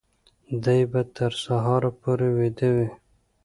دی به تر سهاره پورې ویده وي.